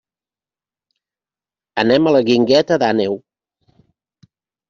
Anem a la Guingueta d'Àneu.